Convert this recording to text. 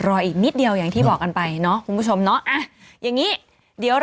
อีกนิดเดียวอย่างที่บอกกันไปเนาะคุณผู้ชมเนาะอ่ะอย่างงี้เดี๋ยว